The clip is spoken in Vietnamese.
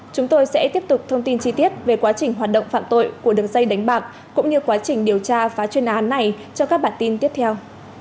chúng tôi sẽ tiếp tục thông tin chi tiết về quá trình hoạt động phạm tội của đường dây đánh bạc cũng như quá trình điều tra phá chuyên án này cho các bản tin tiếp theo